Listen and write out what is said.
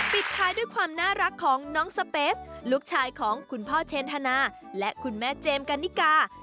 ปิดท้ายด้วยความน่ารักของน้องสเปสลูกชายของคุณพ่อเชนธนาและคุณแม่เจมส์กันนิกา